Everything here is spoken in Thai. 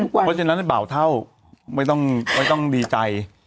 เพราะฉะนั้นบ่าวเท่าไม่ต้องดีใจ